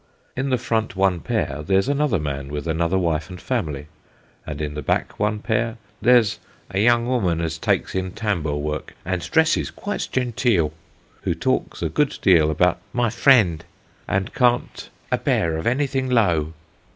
In the front one pair, there's another man with another wife and family, and in the back one pair, there's " a young 'oman as takes in tambour work, and dresses quite genteel," who talks a good deal about "my friend," and can't "a bear anything low."